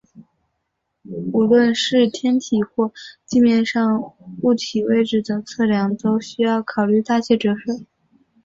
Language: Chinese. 无论是天体或地面上物体位置的测量都需要考虑大气折射。